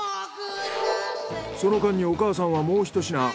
その間にお母さんはもうひと品。